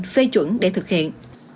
phê chuẩn để thực hiện